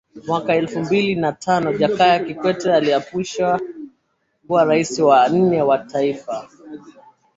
mwaka elfu mbili na tano Jakaya Kikwete aliapishwa kuwa Rais wa nne wa taifa